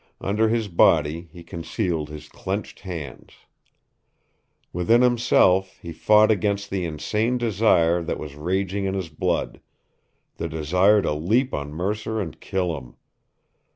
Under his body he concealed his clenched hands. Within himself he fought against the insane desire that was raging in his blood, the desire to leap on Mercer and kill him.